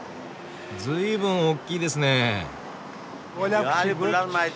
随分おっきいですね。